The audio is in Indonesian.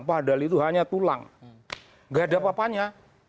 padahal itu hanya tulang nggak ada apa apanya